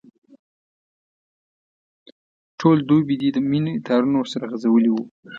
ټوله دوبي دي د مینې تارونه ورسره غځولي وو.